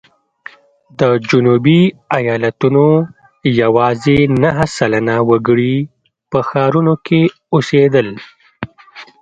د جنوبي ایالتونو یوازې نهه سلنه وګړي په ښارونو کې اوسېدل.